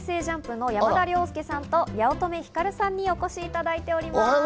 ＪＵＭＰの山田涼介さんと、八乙女光さんにお越しいただいております。